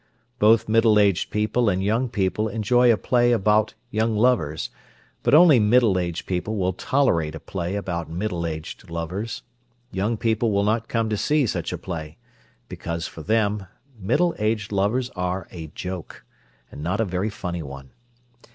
Both middle aged people and young people enjoy a play about young lovers; but only middle aged people will tolerate a play about middle aged lovers; young people will not come to see such a play, because, for them, middle aged lovers are a joke—not a very funny one.